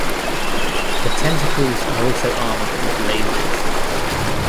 The tentacles are also armed with lasers.